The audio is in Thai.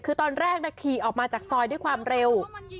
คือตอนแรกขี่ออกมาจากซอยด้วยความเร็ว